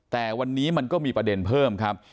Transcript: แต่วันนี้มันก็มีประเด็นเพิ่มครับ